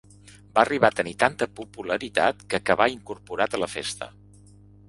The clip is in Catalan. Va arribar a tenir tanta popularitat que acabà incorporat a la festa.